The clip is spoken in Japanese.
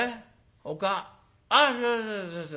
おかあっそうそうそうそう。